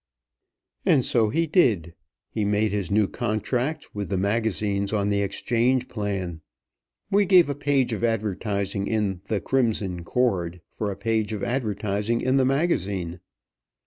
And so he did. He made his new contracts with the magazines on the exchange plan. We gave a page of advertising in the "Crimson Cord" for a page of advertising in the magazine.